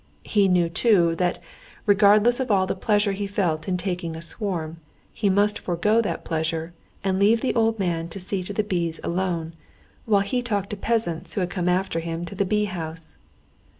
He knew too that, regardless of all the pleasure he felt in taking a swarm, he must forego that pleasure, and leave the old man to see to the bees alone, while he talked to the peasants who had come after him to the bee house.